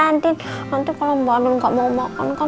nanti kalau mbak andin nggak mau makan kan